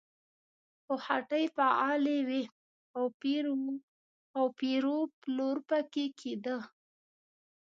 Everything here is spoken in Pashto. خو هټۍ فعالې وې او پېر و پلور پکې کېده.